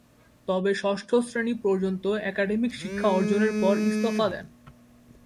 তবে ষষ্ঠ শ্রেণি পর্যন্ত একাডেমিক শিক্ষা অর্জনের পর ইস্তফা দেন।